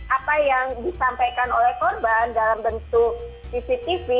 apa yang disampaikan oleh korban dalam bentuk cctv